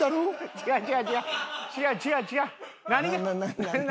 違う違う違う。